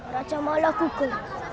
raja mala gugur